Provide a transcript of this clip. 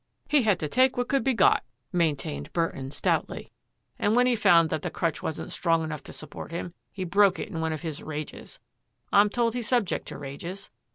He had to take what could be got," maintained Burton stoutly. "And when he found that the crutch wasn't strong enough to support him, he broke it in one of his rages. I'm told he's subject to rages.